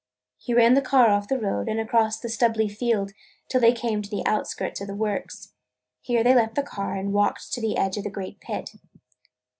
He ran the car off the road and across the stubbly field till they came to the outskirts of the works. Here they left the car and walked to the edge of the great pit.